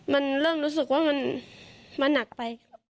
มันเริ่มรู้สึกว่ามันหนักไป